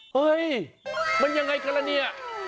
เฮ้ยมันยังไงกันล่ะเนี่ย